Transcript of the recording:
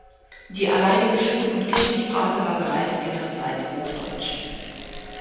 Die alleinige Schul- und Kirchensprache war bereits längere Zeit Hochdeutsch.